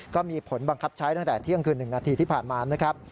ก็มีผลบังคับใช้ตั้งแต่เที่ยงคืน๑นาทีที่ผ่านมานะครับ